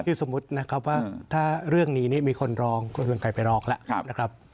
คือสมมุตินะครับว่าถ้าเรื่องนี้นี่มีคนรองก็ไม่มีใครไปรองแล้วนะครับ